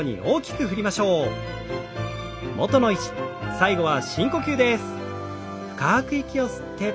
最後は深呼吸です。